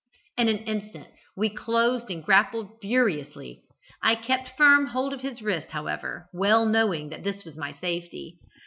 In an instant we closed and grappled furiously. I kept firm hold of his wrist, however, well knowing that this was my safety.